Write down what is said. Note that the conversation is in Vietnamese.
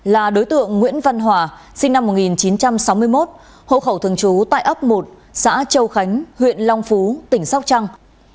là đối tượng nguyễn văn hòa sinh năm một nghìn chín trăm sáu mươi một hộ khẩu thường trú tại ấp một xã châu khánh huyện long phú tỉnh sóc trăng